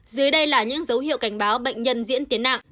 dưới đây là những dấu hiệu cảnh báo bệnh nhân diễn tiến nặng